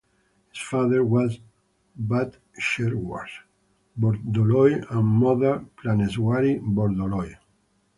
His father was Buddheswar Bordoloi and mother Praneswari Bordoloi.